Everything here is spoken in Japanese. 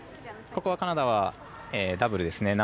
ここはカナダはダブルですね。